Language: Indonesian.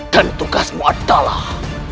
dan tugasmu adalah